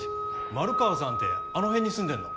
丸川さんってあの辺に住んでんの？